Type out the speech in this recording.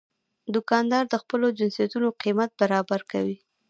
دوکاندار د خپلو جنسونو قیمت برابر کوي.